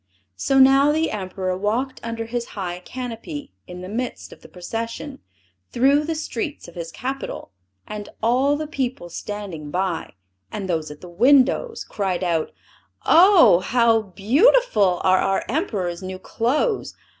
So now the Emperor walked under his high canopy in the midst of the procession, through the streets of his capital; and all the people standing by, and those at the windows, cried out, "Oh! How beautiful are our Emperor's new clothes!